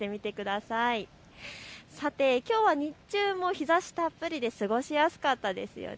さて、きょうは日中も日ざしたっぷりで過ごしやすかったですよね。